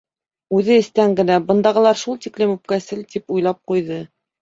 Үҙе эстән генә: «Бындағылар шул тиклем үпкәсел!» —тип уйлап ҡуйҙы.